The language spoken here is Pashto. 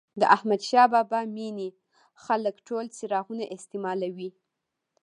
د احمدشاه بابا مېنې خلک ټول څراغونه استعمالوي.